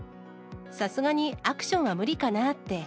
さすがにアクションは無理かなって。